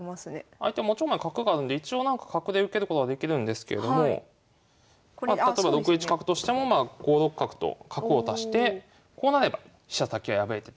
相手持ち駒に角があるんで一応なんか角で受けることはできるんですけれども例えば６一角としても５六角と角を足して。